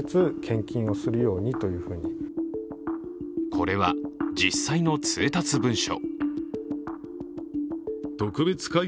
これは、実際の通達文書。